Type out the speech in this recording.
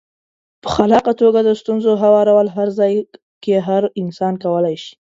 په خلاقه توګه د ستونزو هوارول هر ځای کې هر انسان کولای شي.